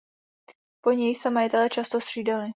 Po nich se majitelé často střídali.